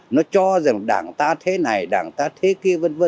nó cho rằng đảng ta thế này đảng ta thế kia v v